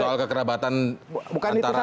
soal kekerabatan antara